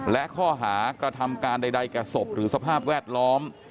และข้อหากระทำการใดแก่ศพหรือสภาพแวดล้อม